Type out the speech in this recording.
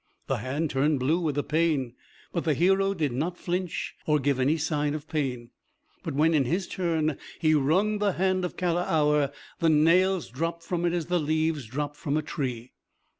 The hand turned blue with the pain, but the hero did not flinch or give any sign of pain. But when in his turn he wrung the hand of Kalahour, the nails dropped from it as the leaves drop from a tree.